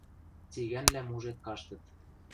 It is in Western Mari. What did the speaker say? Цигӓнвлӓ мужед каштыт.